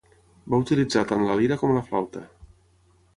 Va utilitzar tant la lira com la flauta.